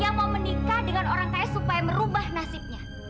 yang mau menikah dengan orang kaya supaya merubah nasibnya